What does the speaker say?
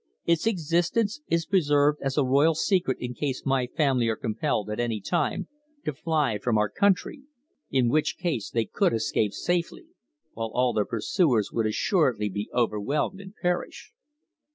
Its existence is preserved as a royal secret in case my family are compelled at any time to fly from our country, in which case they could escape safely, while all their pursuers would assuredly be overwhelmed and perish.